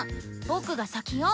僕が先よ。